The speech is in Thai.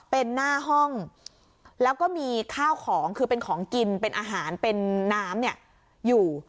เป็นหน้าห้องแล้วก็มีข้าวของคือเป็นของกินเป็นอาหารเป็นน้ำอยู่